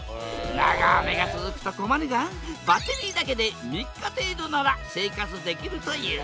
長雨が続くと困るがバッテリーだけで３日程度なら生活できるという。